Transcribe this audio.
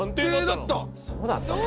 そうだったんだ